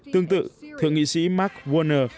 tương tự thượng nghị sĩ mark warner